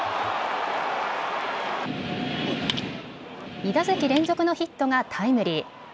２打席連続のヒットがタイムリー。